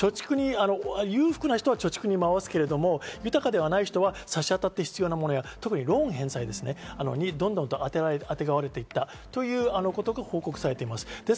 裕福な人は貯蓄にまわすけれども豊かではない人はさしあたって必要なものや特にローン返済にどんどん当てがわれていったということが報告されています。